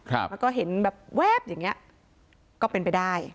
แล้วก็เห็นแบบแวบอย่างเงี้ยก็เป็นไปได้